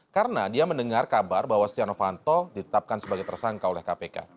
karena dia mendengar kabar bahwa stianofanto ditetapkan sebagai tersangka oleh kpk